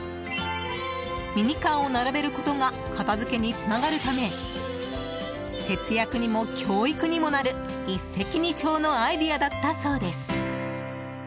ミニカーを並べることが片付けにつながるため節約にも教育にもなる一石二鳥のアイデアだったそうです。